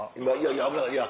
いやいや。